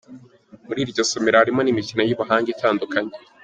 Muri iryo somero harimo n’imikino y’ubuhanga itandukanye.